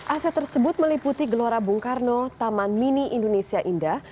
aset tersebut meliputi gelora bung karno taman mini indonesia indah